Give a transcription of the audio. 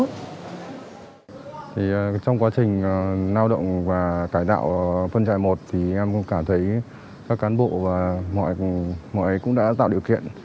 trong quá trình lao động và cải tạo phân chạy một em cảm thấy các cán bộ và mọi người cũng đã tạo điều kiện